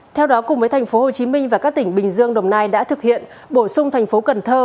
theo đó cùng với tp hcm và các tỉnh bình dương đồng nai đã thực hiện bổ sung tp cn